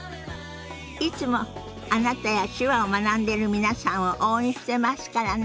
いつもあなたや手話を学んでる皆さんを応援してますからね。